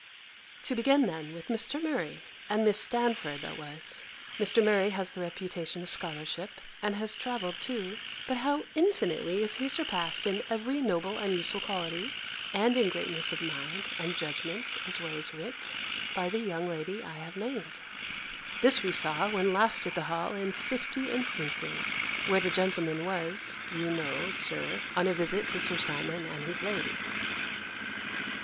To begin then with Mr. Murray, and Miss Damford that was; Mr. Murray has the reputation of scholarship, and has travelled too; but how infinitely is he surpassed in every noble and useful quality, and in greatness of mind, and judgment, as well as wit, by the young lady I have named! This we saw, when last at the Hall, in fifty instances, where the gentleman was, you know, Sir, on a visit to Sir Simon and his lady.